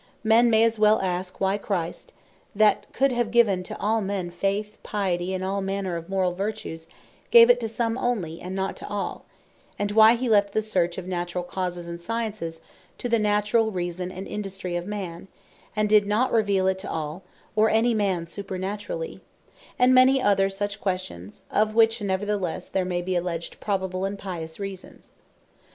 Men may as well aske, why Christ that could have given to all men Faith, Piety, and all manner of morall Vertues, gave it to some onely, and not to all: and why he left the search of naturall Causes, and Sciences, to the naturall Reason and Industry of men, and did not reveal it to all, or any man supernaturally; and many other such questions: Of which neverthelesse there may be alledged probable and pious reasons.